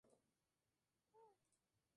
Allí pasará sus últimos quince años de vida.